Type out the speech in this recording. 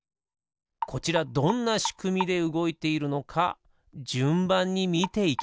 こちらどんなしくみでうごいているのかじゅんばんにみていきましょう。